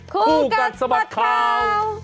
ครูกันสมัติข่าว